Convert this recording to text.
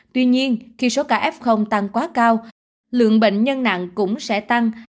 tuy nhiên khi số ca f tăng quá cao lượng bệnh nhân nặng cũng sẽ tăng